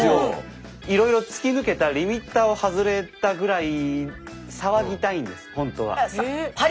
いろいろ突き抜けたリミッターを外れたぐらい騒ぎたいんですほんとは。